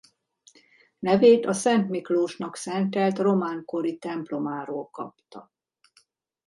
Nevét a Szent Miklósnak szentelt román kori templomáról kapta.